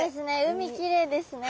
海きれいですね。